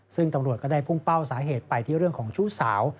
ซึ่งตำรวจก็ได้พุ่งเป้าสาเหตุไปที่เรื่องของชู้สาว